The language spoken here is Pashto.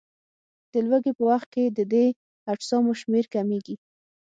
د لوږې په وخت کې د دې اجسامو شمېر کمیږي.